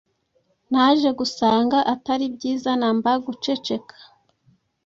Naje gusanga ataribyiza namba guceceka